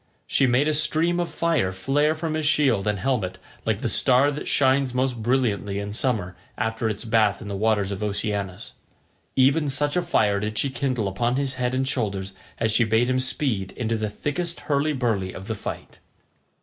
She made a stream of fire flare from his shield and helmet like the star that shines most brilliantly in summer after its bath in the waters of Oceanus—even such a fire did she kindle upon his head and shoulders as she bade him speed into the thickest hurly burly of the fight.